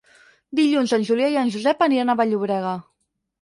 Dilluns en Julià i en Josep aniran a Vall-llobrega.